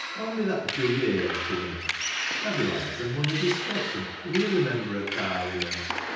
Hond me that jug o' ale, Tummy. Haviland's a mou o' discretion, if he is a Member o' Parlyment.